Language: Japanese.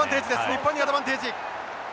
日本にアドバンテージ。